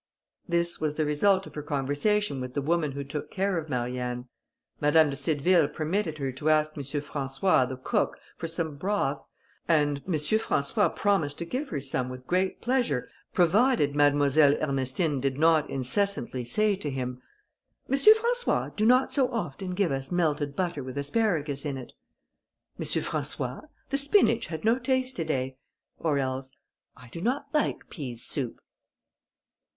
This was the result of her conversation with the women who took care of Marianne. Madame de Cideville permitted her to ask M. François the cook for some broth, and M. François promised to give her some with great pleasure, provided Mademoiselle Ernestine did not incessantly say to him, "M. François, do not so often give us melted butter with asparagus in it;" "M. François, the spinach had no taste to day;" or else, "I do not like pease soup!"